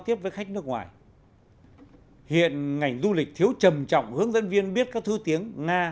tiếp với khách nước ngoài hiện ngành du lịch thiếu trầm trọng hướng dẫn viên biết các thứ tiếng nga